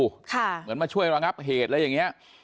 เหมือนมาช่วยระงับเหตุอะไรอย่างเงี้ย